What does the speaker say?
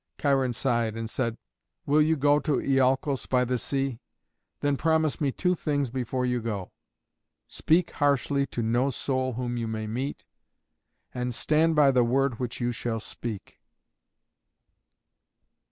Cheiron sighed and said, "Will you go to Iolcos by the sea? Then promise me two things before you go! Speak harshly to no soul whom you may meet, and stand by the word which you shall speak."